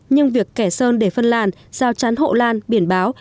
nhưng việc kẻ sơn để phân làn giao chán hộ lan biển báo